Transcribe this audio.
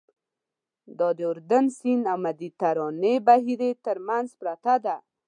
دا د اردن سیند او مدیترانې بحیرې تر منځ پرته ده.